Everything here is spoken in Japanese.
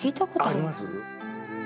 あります？